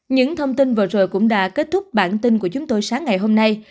những thông tin vừa rồi cũng đã kết thúc bản tin của chúng tôi sáng ngày hôm nay